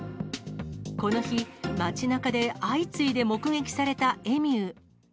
この日、街なかで相次いで目撃されたエミュー。